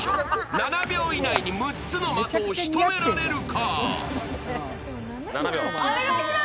７秒以内に６つの的を仕留められるか！